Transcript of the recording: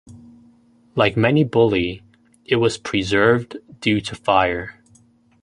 Like many bullae, it was preserved due to fire.